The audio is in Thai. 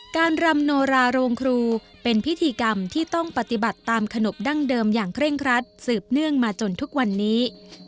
รำโนราโรงครูเป็นพิธีกรรมที่ต้องปฏิบัติตามขนบดั้งเดิมอย่างเคร่งครัดสืบเนื่องมาจนทุกวันนี้